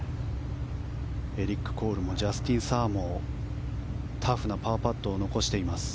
エリック・コールもジャスティン・サーもタフなパーパットを残しています。